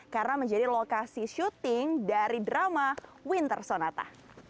karena menjadi lokasi syuting dari drama winter sonata